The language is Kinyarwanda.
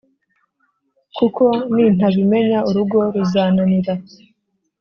kuko nintabimenya urugo ruzananira.